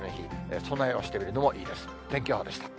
備えをしてみるのもいいです。